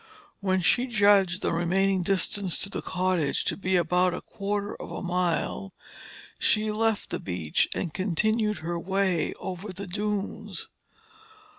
When she judged the remaining distance to the cottage to be about a quarter of a mile, she left the beach and continued her way over the dunes.